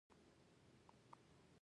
ځانګړو آدابو ته اړتیا پېښېږي.